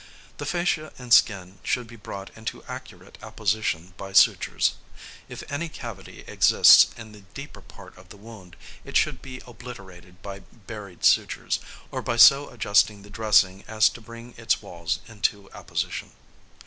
The fascia and skin should be brought into accurate apposition by sutures. If any cavity exists in the deeper part of the wound it should be obliterated by buried sutures, or by so adjusting the dressing as to bring its walls into apposition.